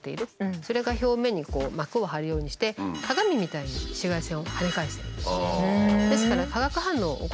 それが表面に膜を張るようにして鏡みたいに紫外線をはね返しているんですね。